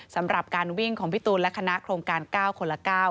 สำหรับการวิ่งของพี่ตูนและคณะโครงการ๙คนละ๙